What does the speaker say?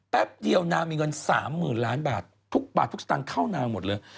แป๊บเดียวนางมีเงิน๓๐๐๐ล้านบาททุกบาททุกสตางค์เข้านางหมดเลย